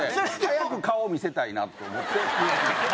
早く顔を見せたいなと思って急いで。